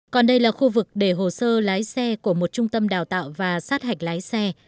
còn đây là khu vực để hồ sơ lái xe của một trung tâm đào tạo và sát hạch lái xe